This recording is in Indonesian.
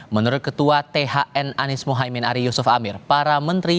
menurut ketua thn anies mohaimin ari yusuf amir para menteri